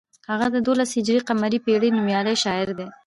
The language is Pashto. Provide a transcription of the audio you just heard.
هغه د دولسم هجري قمري پیړۍ نومیالی شاعر دی.